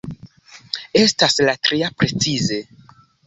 Estas la tria precize.